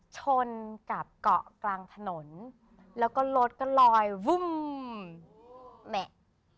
ชนกับเกาะกลางถนนแล้วก็รถก็ลอยวุ่มแหมะ